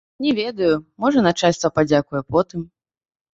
Не ведаю, можа начальства падзякуе потым.